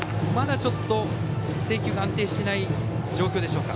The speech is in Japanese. まだちょっと制球が安定していない状況でしょうか。